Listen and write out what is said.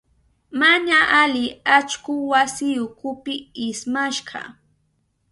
Mana ali allku wasi ukupi ismashka.